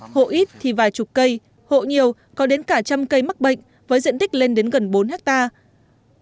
hộ ít thì vài chục cây hộ nhiều có đến cả trăm cây mắc bệnh với diện tích lên đến gần bốn hectare